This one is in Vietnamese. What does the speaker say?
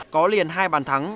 có liền hai bàn thắng